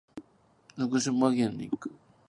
福島県に行く。